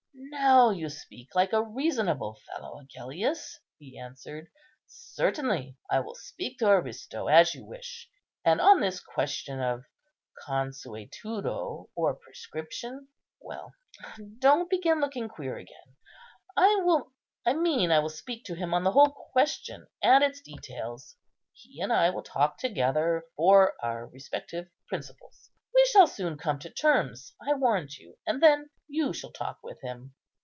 "Now you speak like a reasonable fellow, Agellius," he answered. "Certainly, I will speak to Aristo, as you wish; and on this question of consuetudo or prescription. Well, don't begin looking queer again. I mean I will speak to him on the whole question and its details. He and I will talk together for our respective principals. We shall soon come to terms, I warrant you; and then you shall talk with him.